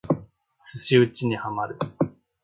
寿司打にハマる